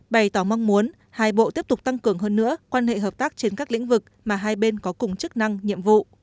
bày tỏ mong muốn hai bộ tiếp tục tăng cường hơn nữa quan hệ hợp tác trên các lĩnh vực mà hai bên có cùng chức năng nhiệm vụ